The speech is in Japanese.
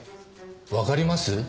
わかります？